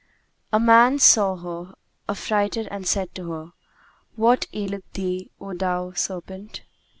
[FN#163] A man saw her affrighted and said to her, 'What aileth thee, O thou serpent?'